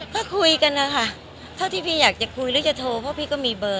ก็คุยกันนะคะเท่าที่พี่อยากจะคุยหรือจะโทรเพราะพี่ก็มีเบอร์